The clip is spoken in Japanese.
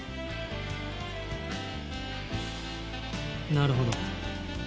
なるほど。